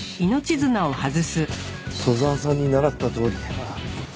砥沢さんに習ったとおり解錠を。